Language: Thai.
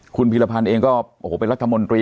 คุณพีรพันธ์เองก็โอ้โหเป็นรัฐมนตรี